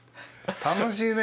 楽しいね。